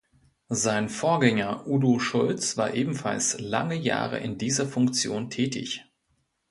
Sein Vorgänger Udo Scholz war ebenfalls lange Jahre in dieser Funktion tätig.